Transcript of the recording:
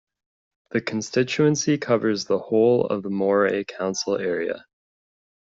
The constituency covers the whole of the Moray council area.